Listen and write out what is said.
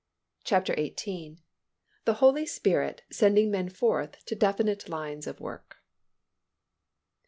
CHAPTER XVIII. THE HOLY SPIRIT SENDING MEN FORTH TO DEFINITE LINES OF WORK.